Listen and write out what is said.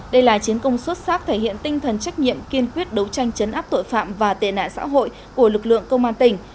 đây là chiến công xuất sắc thể hiện tinh thần trách nhiệm kiên quyết đấu tranh chấn áp tội phạm và tệ nạn xã hội của lực lượng công an tỉnh